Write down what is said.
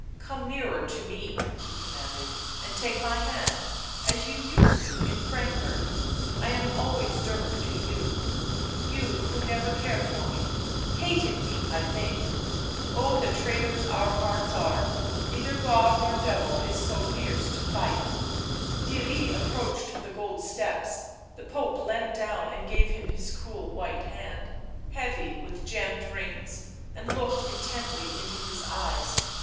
" Come nearer to me," he commanded, " and take my hand — as you used to, in Frankfort ... I am always Dirk to you — you who never cared for me, hated me, I think — oh, the traitors our hearts are, neither God nor devil is so fierce to fight " Theirry approached the gold steps ; the Pope leant down and gave him bis cool white hand, heavy with gemmed rings and looked intently into his eyes.